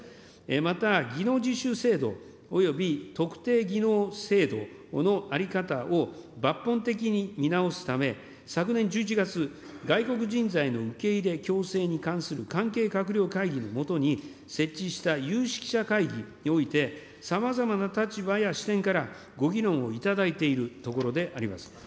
また技能実習制度および特定技能制度の在り方を抜本的に見直すため、昨年１１月、外国人材の受け入れ共生に関する関係閣僚会議の下に設置した有識者会議において、さまざまな立場や視点からご議論をいただいているところであります。